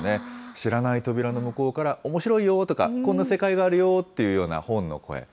知らない扉の向こうから、おもしろいよとか、こんな世界があるよっていうような本の声。